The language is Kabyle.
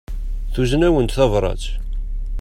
Tuzen-awen-d tabrat.